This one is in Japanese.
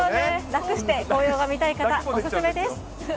楽して紅葉が見たい方、お勧めです。